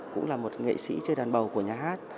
cũng là một nghệ sĩ trên đàn bầu của nhà hát